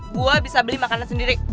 buah bisa beli makanan sendiri